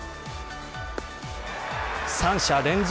３者連続